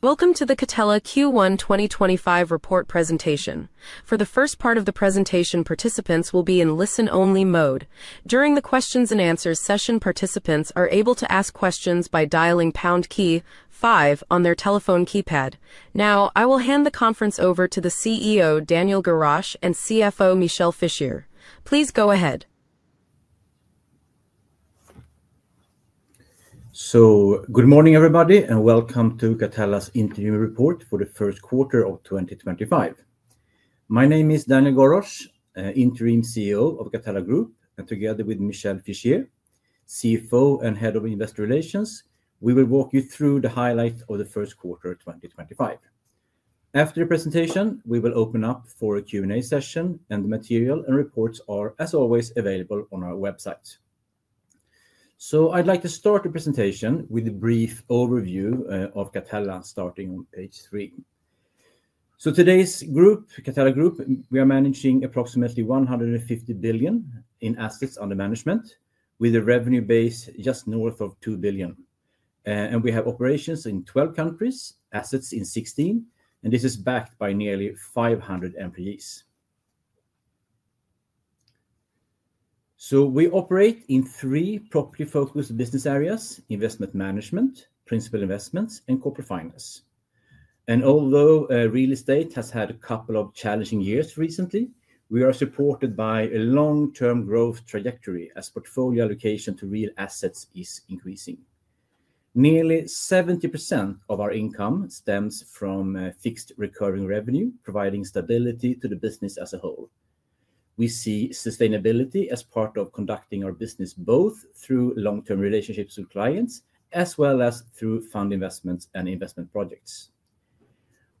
Welcome to the Catella Q1 2025 report presentation. For the first part of the presentation, participants will be in listen-only mode. During the Q&A session, participants are able to ask questions by dialing pound key five on their telephone keypad. Now, I will hand the conference over to the CEO, Daniel Gorosch, and CFO, Michel Fischier. Please go ahead. Good morning, everybody, and welcome to Catella's interim report for the first quarter of 2025. My name is Daniel Gorosch, Interim CEO of Catella Group, and together with Michel Fischier, CFO and Head of Investor Relations, we will walk you through the highlights of the first quarter of 2025. After the presentation, we will open up for a Q&A session, and the material and reports are, as always, available on our website. I'd like to start the presentation with a brief overview of Catella, starting on page three. Today's group, Catella Group, we are managing approximately SWE 150 billion in assets under management, with a revenue base just north of SWE 2 billion. We have operations in 12 countries, assets in 16, and this is backed by nearly 500 employees. We operate in three property-focused business areas: Investment Management, Principal Investments, and Corp. Finance. Although real estate has had a couple of challenging years recently, we are supported by a long-term growth trajectory as portfolio allocation to real assets is increasing. Nearly 70% of our income stems from fixed recurring revenue, providing stability to the business as a whole. We see sustainability as part of conducting our business both through long-term relationships with clients as well as through fund investments and investment projects.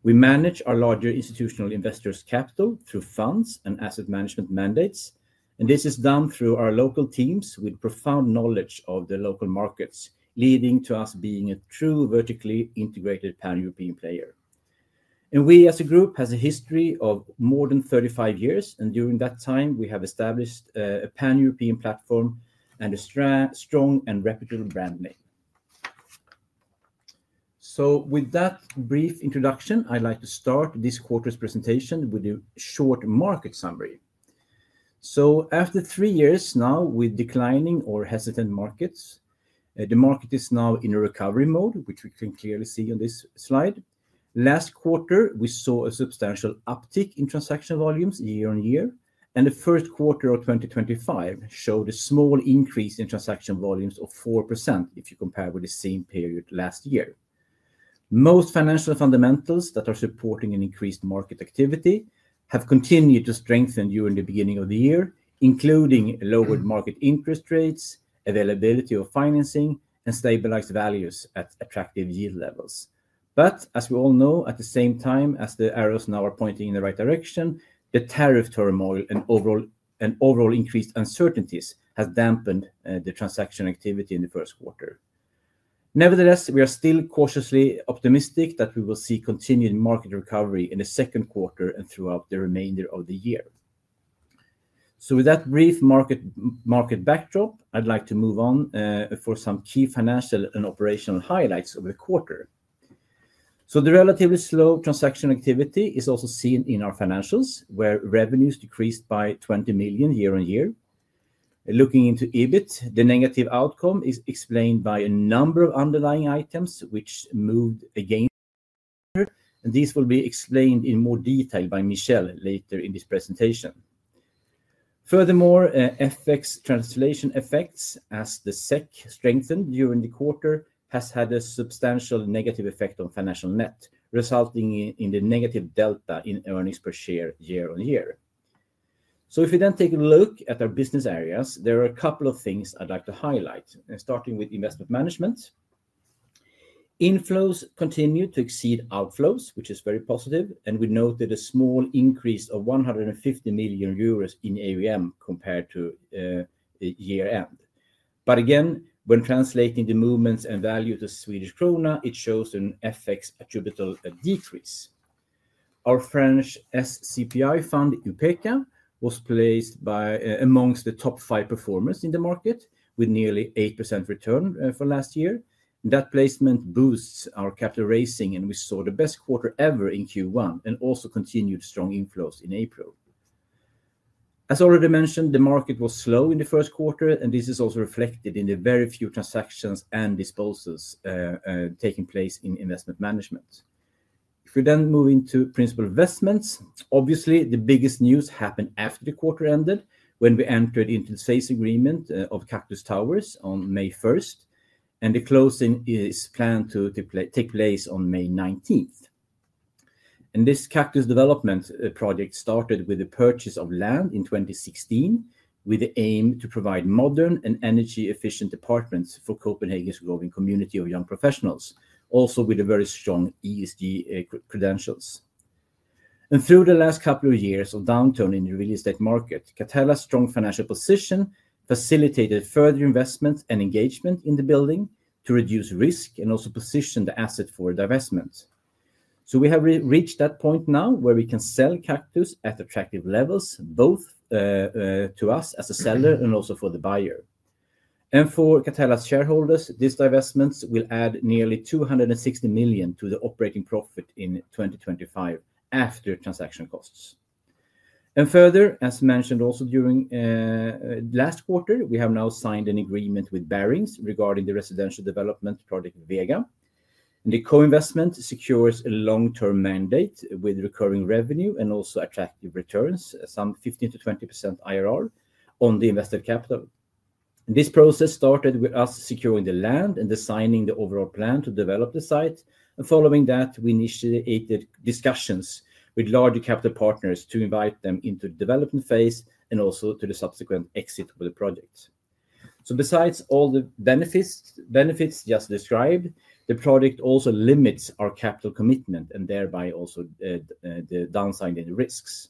We manage our larger institutional investors' capital through funds and asset management mandates, and this is done through our local teams with profound knowledge of the local markets, leading to us being a true vertically integrated pan-European player. We, as a group, have a history of more than 35 years, and during that time, we have established a pan-European platform and a strong and reputable brand name. With that brief introduction, I'd like to start this quarter's presentation with a short market summary. After three years now with declining or hesitant markets, the market is now in a recovery mode, which we can clearly see on this slide. Last quarter, we saw a substantial uptick in transaction volumes year on year, and the first quarter of 2025 showed a small increase in transaction volumes of 4% if you compare with the same period last year. Most financial fundamentals that are supporting an increased market activity have continued to strengthen during the beginning of the year, including lowered market interest rates, availability of financing, and stabilized values at attractive yield levels. As we all know, at the same time as the arrows now are pointing in the right direction, the tariff turmoil and overall increased uncertainties have dampened the transaction activity in the first quarter. Nevertheless, we are still cautiously optimistic that we will see continued market recovery in the second quarter and throughout the remainder of the year. With that brief market backdrop, I'd like to move on for some key financial and operational highlights of the quarter. The relatively slow transaction activity is also seen in our financials, where revenues decreased by SWE 20 million year on year. Looking into EBIT, the negative outcome is explained by a number of underlying items which moved against. These will be explained in more detail by Michel later in this presentation. Furthermore, FX translation effects, as the SEK strengthened during the quarter, have had a substantial negative effect on financial net, resulting in the negative delta in earnings per share year on year. If we then take a look at our business areas, there are a couple of things I'd like to highlight, starting with investment management. Inflows continue to exceed outflows, which is very positive, and we note that a small increase of 150 million euros in AUM compared to year-end. Again, when translating the movements and value to Swedish krona, it shows an FX attributable decrease. Our French SCPI fund, UPECA, was placed amongst the top five performers in the market, with nearly 8% return for last year. That placement boosts our capital raising, and we saw the best quarter ever in Q1 and also continued strong inflows in April. As already mentioned, the market was slow in the first quarter, and this is also reflected in the very few transactions and disposals taking place in investment management. If we then move into principal investments, obviously, the biggest news happened after the quarter ended when we entered into the sales agreement of Cactus Towers on May 1st, and the closing is planned to take place on May 19th. This Cactus development project started with the purchase of land in 2016, with the aim to provide modern and energy-efficient apartments for Copenhagen's growing community of young professionals, also with very strong ESG credentials. Through the last couple of years of downturn in the real estate market, Catella's strong financial position facilitated further investment and engagement in the building to reduce risk and also position the asset for divestment. We have reached that point now where we can sell Cactus at attractive levels, both to us as a seller and also for the buyer. For Catella's shareholders, these divestments will add nearly SWE 260 million to the operating profit in 2025 after transaction costs. Further, as mentioned also during the last quarter, we have now signed an agreement with Barings regarding the residential development project Vega. The co-investment secures a long-term mandate with recurring revenue and also attractive returns, some 15%-20% IRR on the invested capital. This process started with us securing the land and designing the overall plan to develop the site. Following that, we initiated discussions with larger capital partners to invite them into the development phase and also to the subsequent exit of the project. Besides all the benefits just described, the project also limits our capital commitment and thereby also the downside in the risks.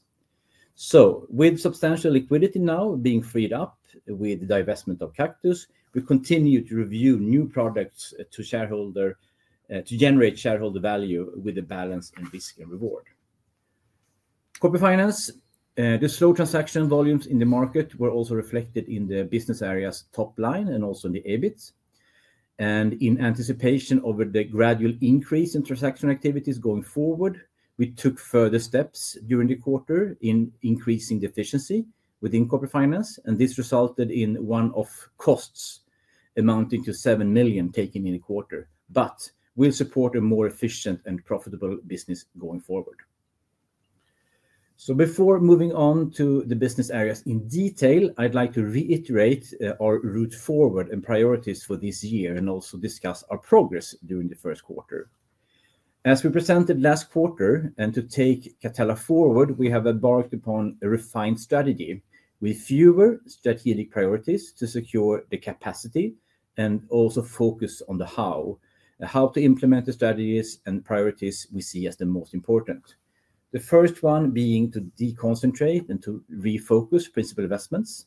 With substantial liquidity now being freed up with the divestment of Cactus, we continue to review new products to generate shareholder value with a balance in risk and reward. Corporate Finance, the slow transaction volumes in the market were also reflected in the business area's top line and also in the EBIT. In anticipation of the gradual increase in transaction activities going forward, we took further steps during the quarter in increasing efficiency within Corporate Finance, and this resulted in one-off costs amounting to SWE 7 million taken in the quarter, but will support a more efficient and profitable business going forward. Before moving on to the business areas in detail, I'd like to reiterate our route forward and priorities for this year and also discuss our progress during the first quarter. As we presented last quarter, and to take Catella forward, we have embarked upon a refined strategy with fewer strategic priorities to secure the capacity and also focus on the how, how to implement the strategies and priorities we see as the most important. The first one being to deconcentrate and to refocus principal investments.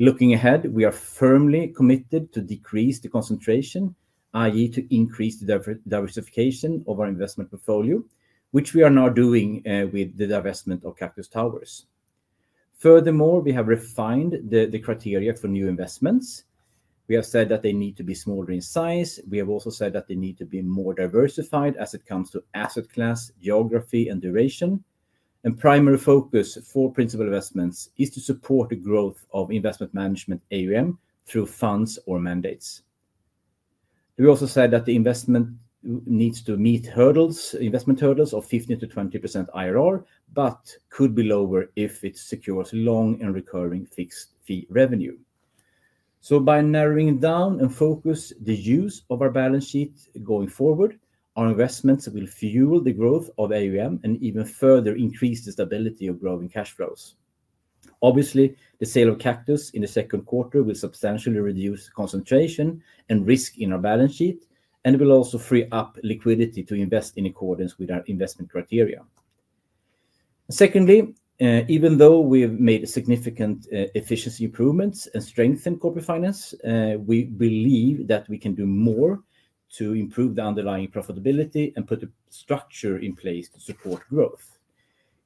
Looking ahead, we are firmly committed to decrease the concentration, i.e., to increase the diversification of our investment portfolio, which we are now doing with the divestment of Cactus Towers. Furthermore, we have refined the criteria for new investments. We have said that they need to be smaller in size. We have also said that they need to be more diversified as it comes to asset class, geography, and duration. Primary focus for principal investments is to support the growth of investment management AUM through funds or mandates. We also said that the investment needs to meet hurdles, investment hurdles of 15%-20% IRR, but could be lower if it secures long and recurring fixed fee revenue. By narrowing down and focusing the use of our balance sheet going forward, our investments will fuel the growth of AUM and even further increase the stability of growing cash flows. Obviously, the sale of Cactus in the second quarter will substantially reduce concentration and risk in our balance sheet, and it will also free up liquidity to invest in accordance with our investment criteria. Secondly, even though we have made significant efficiency improvements and strengthened Corporate Finance, we believe that we can do more to improve the underlying profitability and put a structure in place to support growth.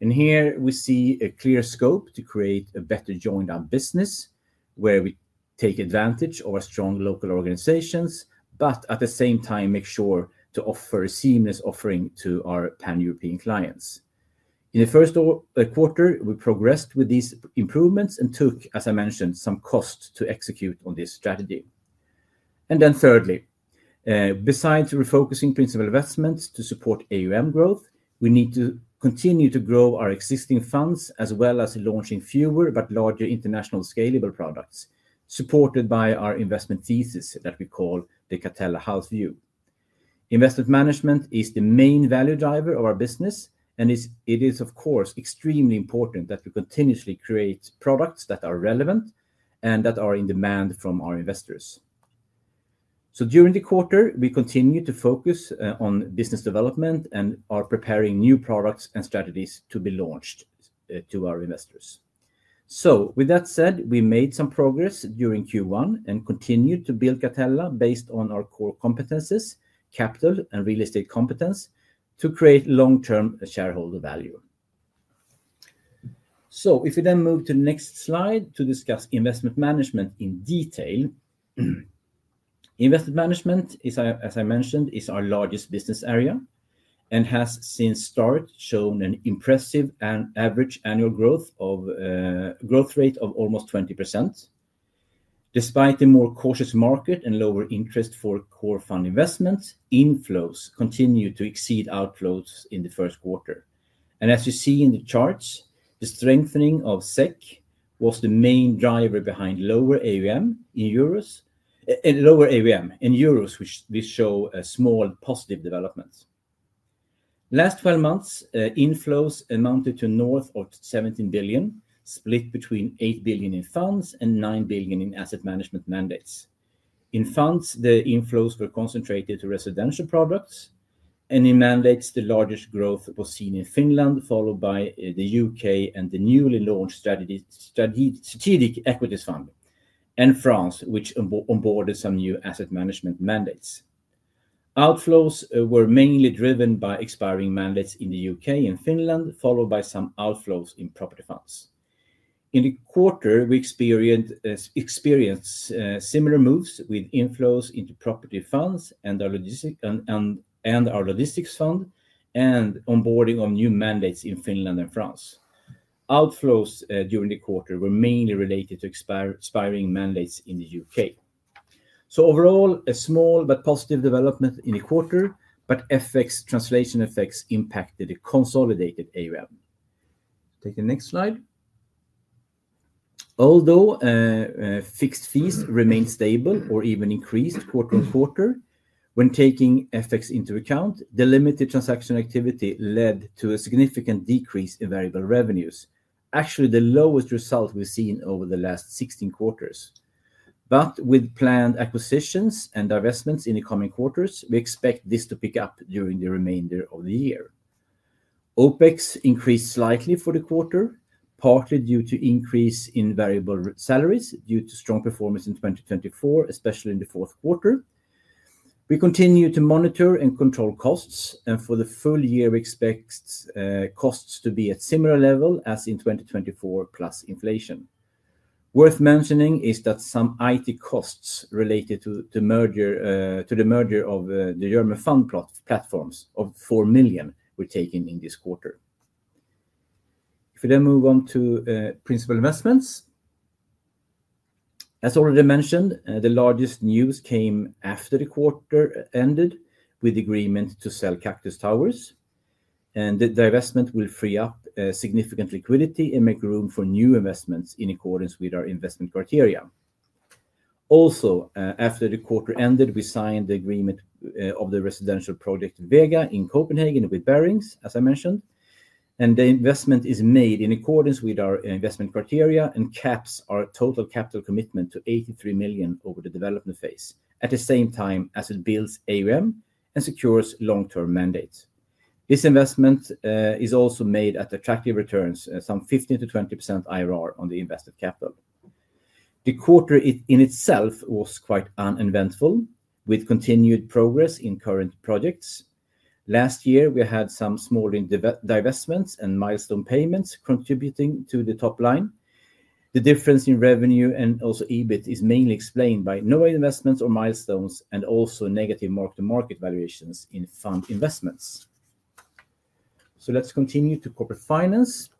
Here, we see a clear scope to create a better joined-up business where we take advantage of our strong local organizations, but at the same time, make sure to offer a seamless offering to our pan-European clients. In the first quarter, we progressed with these improvements and took, as I mentioned, some cost to execute on this strategy. Thirdly, besides refocusing principal investments to support AUM growth, we need to continue to grow our existing funds as well as launching fewer but larger international scalable products, supported by our investment thesis that we call the Catella Health View. Investment management is the main value driver of our business, and it is, of course, extremely important that we continuously create products that are relevant and that are in demand from our investors. During the quarter, we continue to focus on business development and are preparing new products and strategies to be launched to our investors. With that said, we made some progress during Q1 and continued to build Catella based on our core competences, capital and real estate competence, to create long-term shareholder value. If we then move to the next slide to discuss investment management in detail, investment management is, as I mentioned, our largest business area and has since started showing an impressive average annual growth rate of almost 20%. Despite a more cautious market and lower interest for core fund investments, inflows continue to exceed outflows in the first quarter. As you see in the charts, the strengthening of SEK was the main driver behind lower AUM in euros, which we show a small positive development. Last 12 months, inflows amounted to north of SWE 17 billion, split between SWE 8 billion in funds and SWE 9 billion in asset management mandates. In funds, the inflows were concentrated to residential products, and in mandates, the largest growth was seen in Finland, followed by the U.K. and the newly launched strategic equities fund, and France, which onboarded some new asset management mandates. Outflows were mainly driven by expiring mandates in the U.K. and Finland, followed by some outflows in property funds. In the quarter, we experienced similar moves with inflows into property funds and our logistics fund and onboarding of new mandates in Finland and France. Outflows during the quarter were mainly related to expiring mandates in the U.K. Overall, a small but positive development in the quarter, but FX translation effects impacted the consolidated AUM. Take the next slide. Although fixed fees remained stable or even increased quarter on quarter, when taking FX into account, the limited transaction activity led to a significant decrease in variable revenues, actually the lowest result we've seen over the last 16 quarters. With planned acquisitions and divestments in the coming quarters, we expect this to pick up during the remainder of the year. OPEX increased slightly for the quarter, partly due to increase in variable salaries due to strong performance in 2024, especially in the fourth quarter. We continue to monitor and control costs, and for the full year, we expect costs to be at similar level as in 2024 plus inflation. Worth mentioning is that some IT costs related to the merger of the German fund platforms of SWE 4 million were taken in this quarter. If we then move on to principal investments. As already mentioned, the largest news came after the quarter ended with the agreement to sell Cactus Towers, and the divestment will free up significant liquidity and make room for new investments in accordance with our investment criteria. Also, after the quarter ended, we signed the agreement of the residential project Vega in Copenhagen with Barings, as I mentioned, and the investment is made in accordance with our investment criteria and caps our total capital commitment to SWE 83 million over the development phase at the same time as it builds AUM and secures long-term mandates. This investment is also made at attractive returns, some 15%-20% IRR on the invested capital. The quarter in itself was quite uneventful with continued progress in current projects. Last year, we had some smaller divestments and milestone payments contributing to the top line. The difference in revenue and also EBIT is mainly explained by no investments or milestones and also negative mark-to-market valuations in fund investments. Let's continue to Corporate Finance.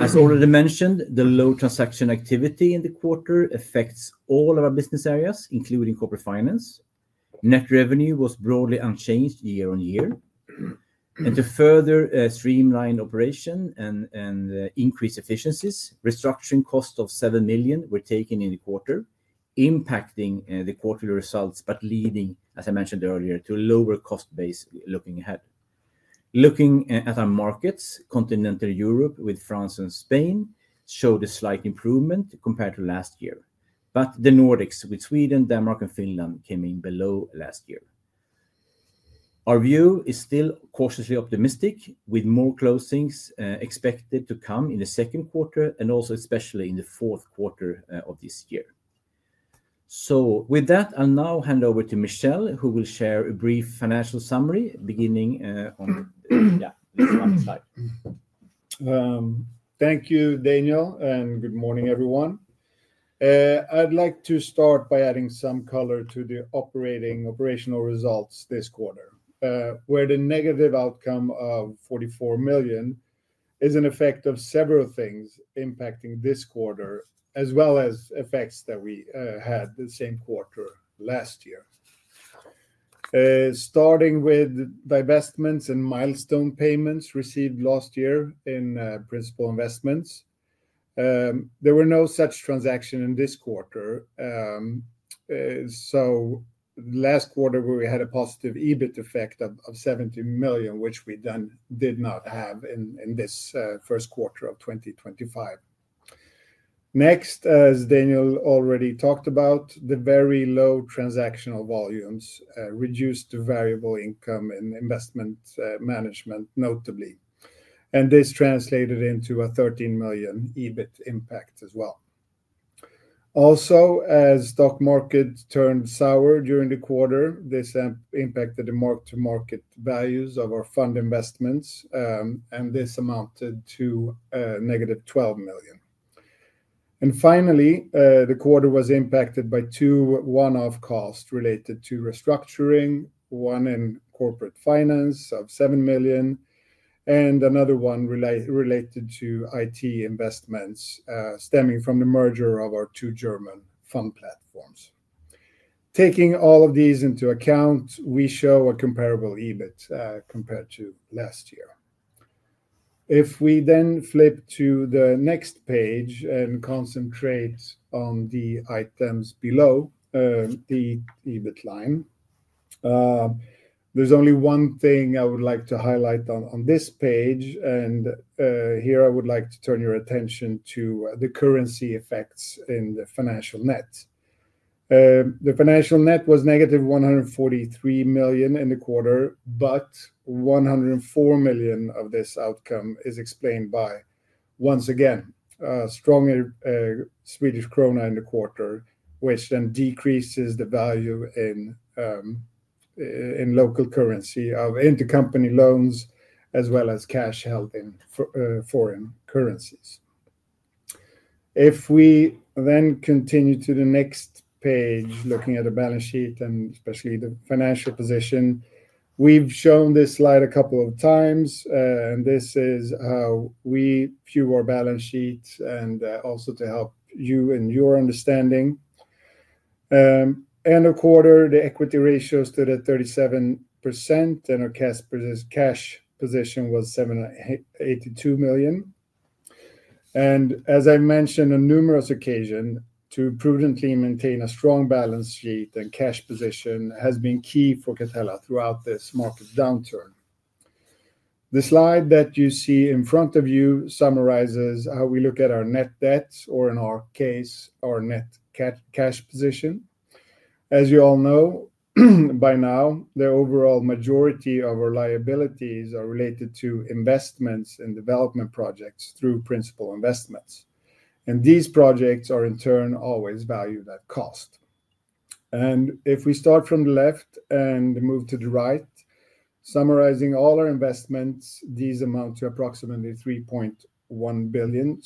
As already mentioned, the low transaction activity in the quarter affects all of our business areas, including Corporate Finance. Net revenue was broadly unchanged year on year. To further streamline operation and increase efficiencies, restructuring costs of SWE 7 million were taken in the quarter, impacting the quarterly results but leading, as I mentioned earlier, to a lower cost base looking ahead. Looking at our markets, continental Europe with France and Spain showed a slight improvement compared to last year, but the Nordics with Sweden, Denmark, and Finland came in below last year. Our view is still cautiously optimistic with more closings expected to come in the second quarter and also especially in the fourth quarter of this year. With that, I'll now hand over to Michel, who will share a brief financial summary beginning on this slide. Thank you, Daniel, and good morning, everyone. I'd like to start by adding some color to the operating operational results this quarter, where the negative outcome of SWE 44 million is an effect of several things impacting this quarter, as well as effects that we had the same quarter last year. Starting with divestments and milestone payments received last year in principal investments, there were no such transactions in this quarter. Last quarter, we had a positive EBIT effect of SWE 70 million, which we did not have in this first quarter of 2025. Next, as Daniel already talked about, the very low transactional volumes reduced the variable income in investment management notably, and this translated into a SWE 13 million EBIT impact as well. Also, as stock market turned sour during the quarter, this impacted the mark-to-market values of our fund investments, and this amounted to negative SWE 12 million. Finally, the quarter was impacted by two one-off costs related to restructuring, one in Corporate Finance of SWE 7 million, and another one related to IT investments stemming from the merger of our two German fund platforms. Taking all of these into account, we show a comparable EBIT compared to last year. If we then flip to the next page and concentrate on the items below the EBIT line, there is only one thing I would like to highlight on this page, and here I would like to turn your attention to the currency effects in the financial net. The financial net was negative SWE 143 million in the quarter, but SWE 104 million of this outcome is explained by, once again, a stronger Swedish krona in the quarter, which then decreases the value in local currency of intercompany loans as well as cash held in foreign currencies. If we then continue to the next page, looking at the balance sheet and especially the financial position, we have shown this slide a couple of times, and this is how we view our balance sheet and also to help you in your understanding. End of quarter, the equity ratio stood at 37%, and our cash position was SWE 782 million. As I mentioned on numerous occasions, to prudently maintain a strong balance sheet and cash position has been key for Catella throughout this market downturn. The slide that you see in front of you summarizes how we look at our net debt, or in our case, our net cash position. As you all know by now, the overall majority of our liabilities are related to investments and development projects through principal investments. These projects are in turn always valued at cost. If we start from the left and move to the right, summarizing all our investments, these amount to approximately SWE 3.1 billion.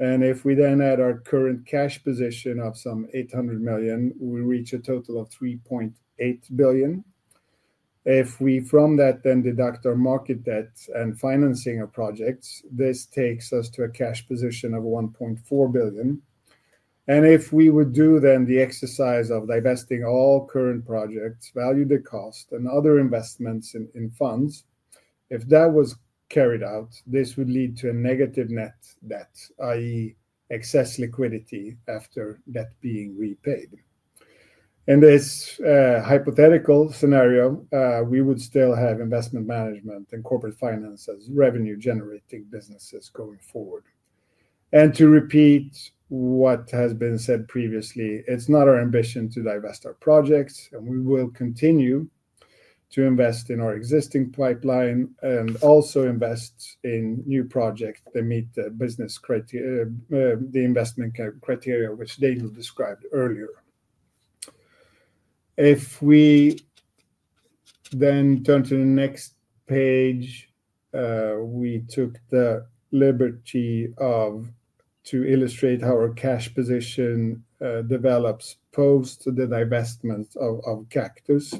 If we then add our current cash position of some SWE 800 million, we reach a total of SWE 3.8 billion. If we from that then deduct our market debt and financing of projects, this takes us to a cash position of SWE 1.4 billion. If we would do then the exercise of divesting all current projects, value the cost, and other investments in funds, if that was carried out, this would lead to a negative net debt, i.e., excess liquidity after that being repaid. In this hypothetical scenario, we would still have investment management and corporate finance as revenue-generating businesses going forward. To repeat what has been said previously, it's not our ambition to divest our projects, and we will continue to invest in our existing pipeline and also invest in new projects that meet the investment criteria which Daniel described earlier. If we then turn to the next page, we took the liberty of illustrating how our cash position develops post the divestment of Cactus.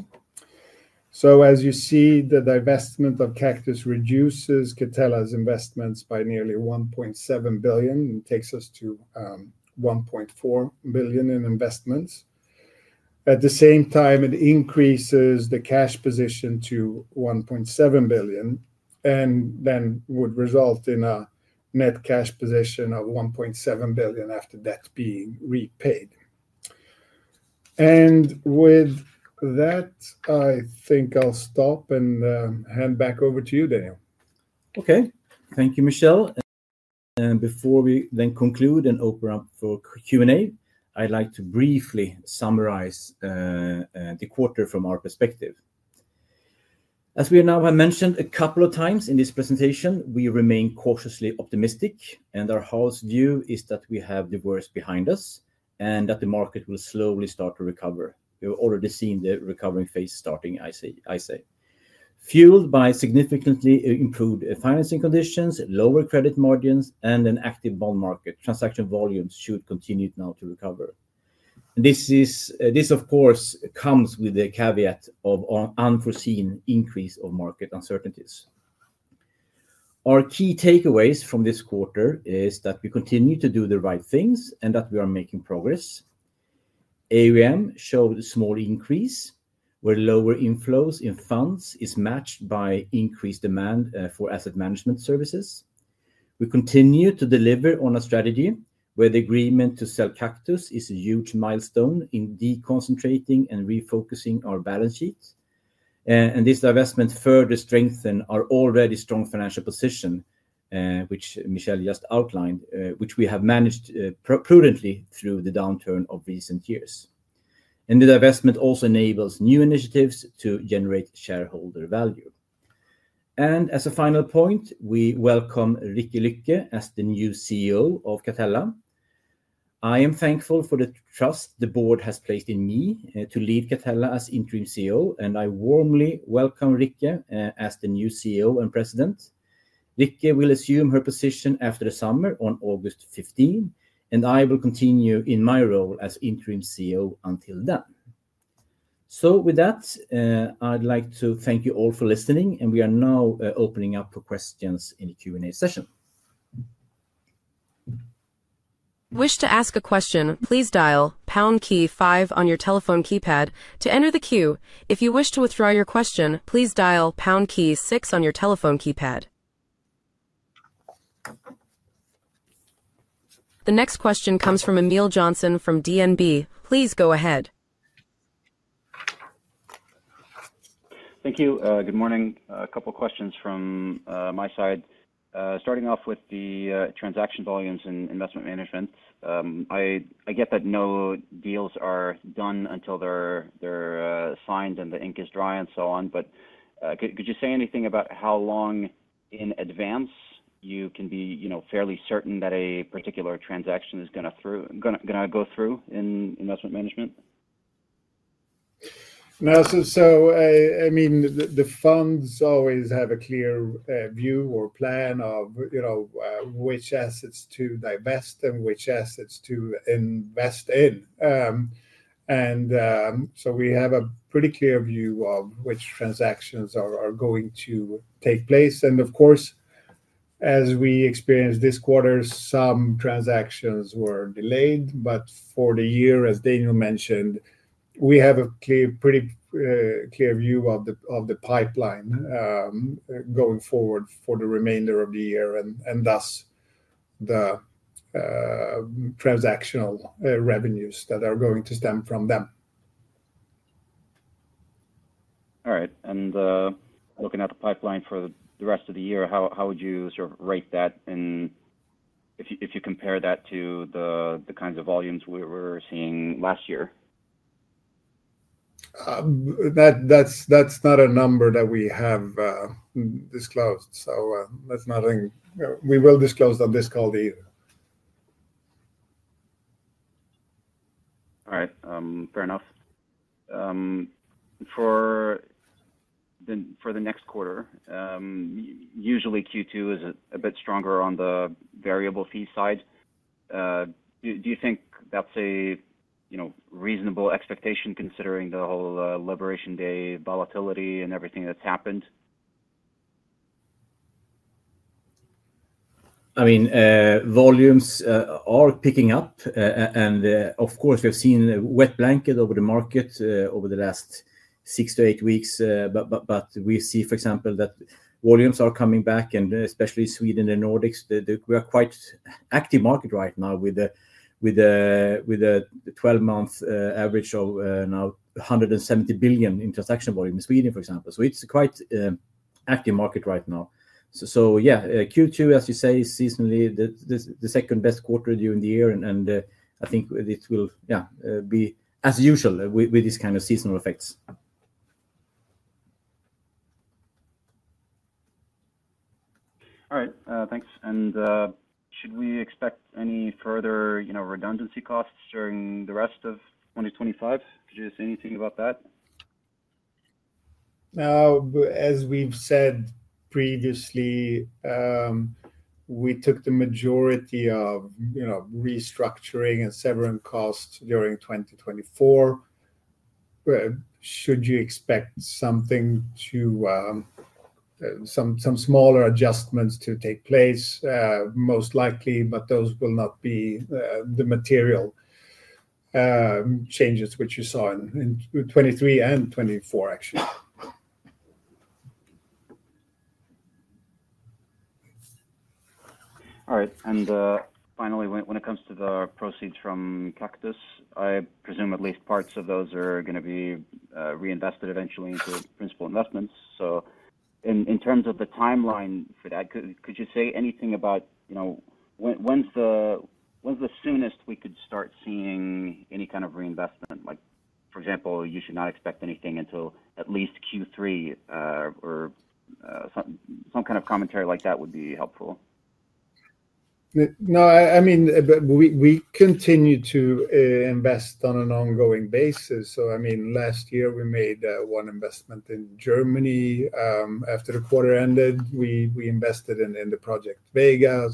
As you see, the divestment of Cactus reduces Catella's investments by SWE 1.7 billion and takes us to SWE 1.4 billion in investments. At the same time, it increases the cash position to SWE 1.7 billion and then would result in a net cash position of SWE 1.7 billion after that being repaid. With that, I think I'll stop and hand back over to you, Daniel. Okay, thank you, Michel. Before we then conclude and open up for Q&A, I'd like to briefly summarize the quarter from our perspective. As we now have mentioned a couple of times in this presentation, we remain cautiously optimistic, and our house view is that we have the worst behind us and that the market will slowly start to recover. We've already seen the recovery phase starting, I say. Fueled by significantly improved financing conditions, lower credit margins, and an active bond market, transaction volumes should continue now to recover. This, of course, comes with the caveat of an unforeseen increase of market uncertainties. Our key takeaways from this quarter are that we continue to do the right things and that we are making progress. AUM showed a small increase, where lower inflows in funds are matched by increased demand for asset management services. We continue to deliver on a strategy where the agreement to sell Cactus is a huge milestone in deconcentrating and refocusing our balance sheet. This divestment further strengthens our already strong financial position, which Michel just outlined, which we have managed prudently through the downturn of recent years. The divestment also enables new initiatives to generate shareholder value. As a final point, we welcome Rikke Lykke as the new CEO of Catella. I am thankful for the trust the board has placed in me to lead Catella as interim CEO, and I warmly welcome Rikke as the new CEO and president. Rikke will assume her position after the summer on August 15th, and I will continue in my role as interim CEO until then. With that, I'd like to thank you all for listening, and we are now opening up for questions in the Q&A session. If you wish to ask a question, please dial pound key five on your telephone keypad to enter the queue. If you wish to withdraw your question, please dial pound key six on your telephone keypad. The next question comes from Emil Johnson from DNB. Please go ahead. Thank you. Good morning. A couple of questions from my side. Starting off with the transaction volumes in investment management, I get that no deals are done until they're signed and the ink is dry and so on, but could you say anything about how long in advance you can be fairly certain that a particular transaction is going to go through in investment management? I mean, the funds always have a clear view or plan of which assets to divest and which assets to invest in. We have a pretty clear view of which transactions are going to take place. Of course, as we experienced this quarter, some transactions were delayed, but for the year, as Daniel mentioned, we have a pretty clear view of the pipeline going forward for the remainder of the year and thus the transactional revenues that are going to stem from them. All right. Looking at the pipeline for the rest of the year, how would you sort of rate that if you compare that to the kinds of volumes we were seeing last year? That's not a number that we have disclosed, so that's nothing we will disclose on this call either. All right. Fair enough. For the next quarter, usually Q2 is a bit stronger on the variable fee side. Do you think that's a reasonable expectation considering the whole Liberation Day volatility and everything that's happened? I mean, volumes are picking up, and of course, we have seen a wet blanket over the market over the last six to eight weeks, but we see, for example, that volumes are coming back, and especially Sweden and Nordics, we are quite an active market right now with a 12-month average of now SWE 170 billion in transaction volume in Sweden, for example. It is a quite active market right now. Q2, as you say, is seasonally the second best quarter during the year, and I think this will be as usual with these kinds of seasonal effects. All right. Thanks. Should we expect any further redundancy costs during the rest of 2025? Could you say anything about that? As we have said previously, we took the majority of restructuring and severance costs during 2024. Should you expect some smaller adjustments to take place? Most likely, but those will not be the material changes which you saw in 2023 and 2024, actually. All right. Finally, when it comes to the proceeds from Cactus, I presume at least parts of those are going to be reinvested eventually into principal investments. In terms of the timeline for that, could you say anything about when's the soonest we could start seeing any kind of reinvestment? For example, you should not expect anything until at least Q3, or some kind of commentary like that would be helpful. No, I mean, we continue to invest on an ongoing basis. I mean, last year, we made one investment in Germany. After the quarter ended, we invested in the project Vega.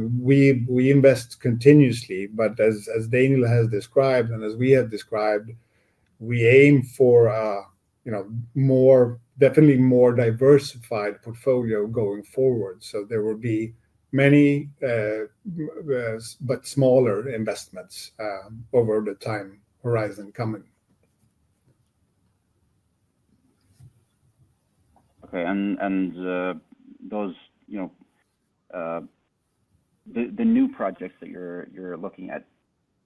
We invest continuously, but as Daniel has described, and as we have described, we aim for definitely a more diversified portfolio going forward. There will be many but smaller investments over the time horizon coming. Okay. The new projects that you're looking at,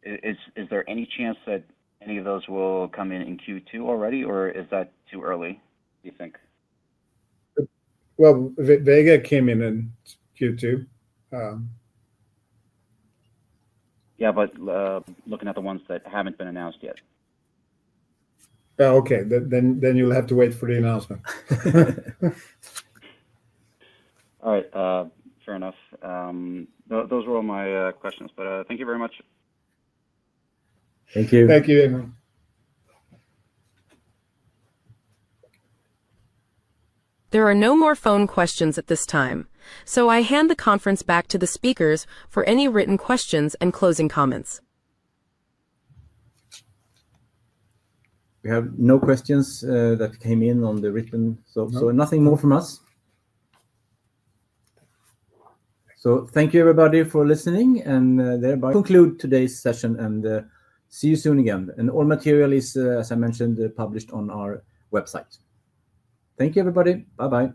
is there any chance that any of those will come in Q2 already, or is that too early, do you think? Vega came in in Q2. Yeah, but looking at the ones that have not been announced yet. Okay. Then you will have to wait for the announcement. All right. Fair enough. Those were all my questions, but thank you very much. Thank you. Thank you, Emil. There are no more phone questions at this time, so I hand the conference back to the speakers for any written questions and closing comments. We have no questions that came in on the written, so nothing more from us. Thank you, everybody, for listening, and thereby conclude today's session and see you soon again. All material is, as I mentioned, published on our website. Thank you, everybody. Bye-bye.